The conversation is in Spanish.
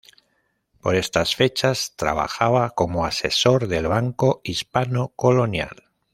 Por estas fechas trabajaba como asesor del Banco Hispano-Colonial.